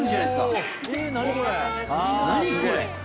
何これ！？